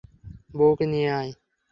বউকে নিয়ে আয়।